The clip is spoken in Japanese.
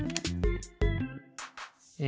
え